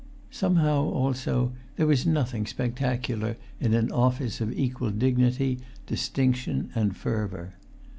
Somehow also there was nothing spectacular in an office of equal dignity, distinction, and fervour.